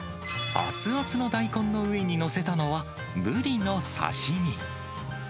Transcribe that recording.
熱々の大根の上に載せたのは、ブリの刺身。